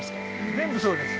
全部そうです。